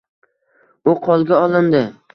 U qo‘lga olindi